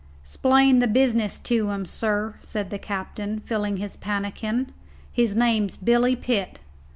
"'Splain the business to him, sir," said the captain, filling his pannikin; "his name's Billy Pitt."